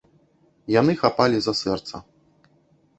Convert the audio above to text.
Яны хапалі за сэрца.